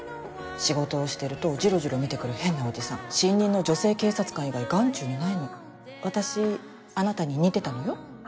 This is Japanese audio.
仕事をしてるとジロジロ見て新任の女性警察官以外眼中にないの私あなたに似てたのよ